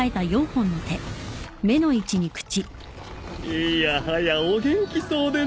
いやはやお元気そうで何より。